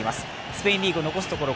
スペインリーグ残すところ